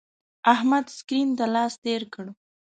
احمد سکرین ته لاس تیر کړ.